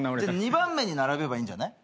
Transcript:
２番目に並べばいいんじゃない？